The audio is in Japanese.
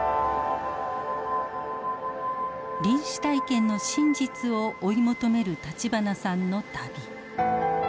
臨死体験の真実を追い求める立花さんの旅。